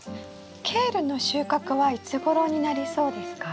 ケールの収穫はいつごろになりそうですか？